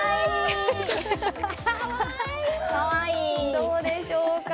どうでしょうか？